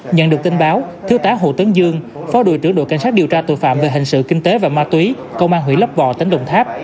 nhận được tin báo thứ tá hồ tấn dương phó đội trưởng đội cảnh sát điều tra tội phạm về hành sự kinh tế và ma túy công an hủy lấp bò tỉnh đồng tháp